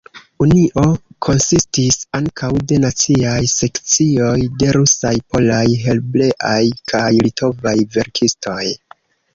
Unio konsistis ankaŭ de naciaj sekcioj de rusaj, polaj, hebreaj kaj litovaj verkistoj.